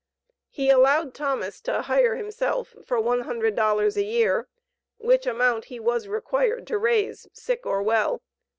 He allowed Thomas to hire himself for one hundred dollars a year, which amount he was required to raise, sick or well.